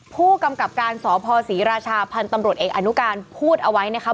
ผู้กำกับการสพศรีราชาพันธ์ตำรวจเอกอนุการพูดเอาไว้นะคะ